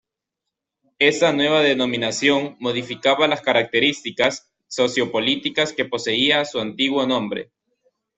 Esta nueva denominación modificaba las características sociopolíticas que poseía su antiguo nombre.